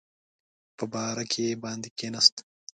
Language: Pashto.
په بارکي باندې کېناست.